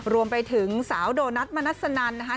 รวมไปถึงสาวโดนัทมนัสนันนะคะ